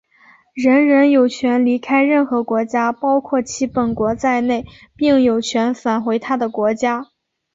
人人有权离开任何国家,包括其本国在内,并有权返回他的国家。